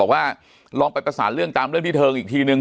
ว่าลองไปประสานเรื่องตามเรื่องที่เทิงอีกทีนึง